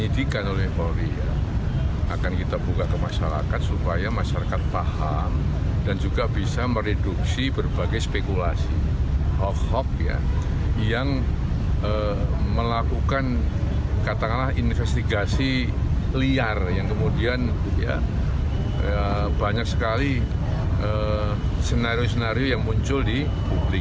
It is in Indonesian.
dan juga bisa mereduksi berbagai spekulasi ho hop ya yang melakukan katakanlah investigasi liar yang kemudian banyak sekali senario senario yang muncul di publik